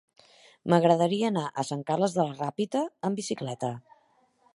M'agradaria anar a Sant Carles de la Ràpita amb bicicleta.